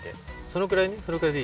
そのくらいね